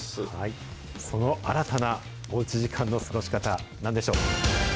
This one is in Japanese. その新たなおうち時間の過ごし方、なんでしょう？